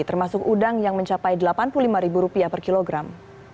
termasuk udang yang mencapai rp delapan puluh lima per kilogram